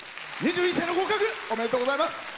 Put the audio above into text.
２１歳の合格おめでとうございます。